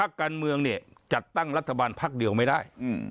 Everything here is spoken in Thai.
การเมืองเนี่ยจัดตั้งรัฐบาลพักเดียวไม่ได้